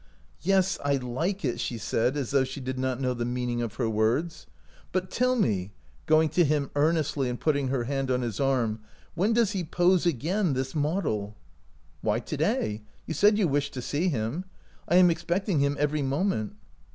" Yes, I like' it," she said, as though she did not know the meaning of her words. " But tell me," going to him earnestly and putting her hand on his arm, " when does he pose again, this model ?" "Why, to day; you said you wished to see him. I am expecting him every mo ment."